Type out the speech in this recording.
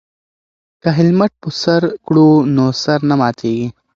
که هیلمټ په سر کړو نو سر نه ماتیږي.